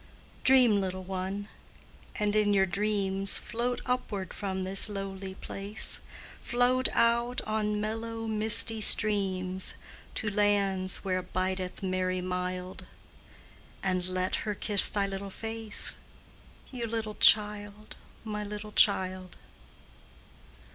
Dream, little one, and in your dreams Float upward from this lowly place, Float out on mellow, misty streams To lands where bideth Mary mild, And let her kiss thy little face, You little child, my little child!